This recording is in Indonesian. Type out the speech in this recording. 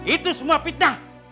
itu semua fitnah